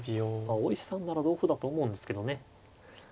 大石さんなら同歩だと思うんですけどね。